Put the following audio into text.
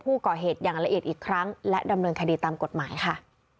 ผู้ก่อเหตุอย่างละเอียดอีกครั้งและดำเนินคดีตามกฎหมายค่ะ